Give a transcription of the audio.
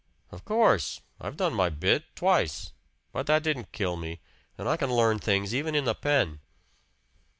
"Of course. I've done my bit twice. But that didn't kill me; and I can learn things, even in the pen."